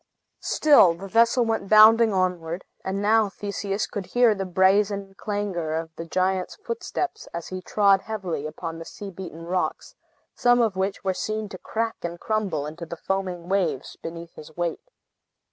Still the vessel went bounding onward; and now Theseus could hear the brazen clangor of the giant's footsteps, as he trod heavily upon the sea beaten rocks, some of which were seen to crack and crumble into the foaming waves beneath his weight.